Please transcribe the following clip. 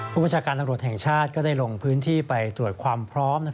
ประชาการตำรวจแห่งชาติก็ได้ลงพื้นที่ไปตรวจความพร้อม